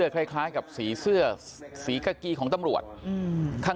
ผมต้องให้เท่าไรง่ะเราไปสาอยุ่ค่ะเสียงจังเท่าไรใช่ครับ